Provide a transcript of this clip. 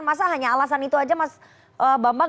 masa hanya alasan itu aja mas bambang